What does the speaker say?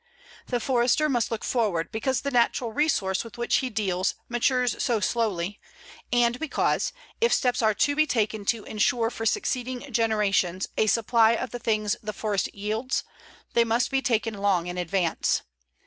The Forester must look forward, because the natural resource with which he deals matures so slowly, and because, if steps are to be taken to insure for succeeding generations a supply of the things the forest yields, they must be taken long in advance.